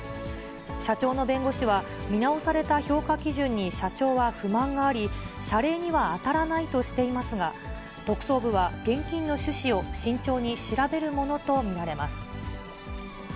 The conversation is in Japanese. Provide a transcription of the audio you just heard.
社長の弁護士は、見直された評価基準に社長は不満があり、謝礼には当たらないとしていますが、特捜部は現金の趣旨を慎重に調べるものと見られます。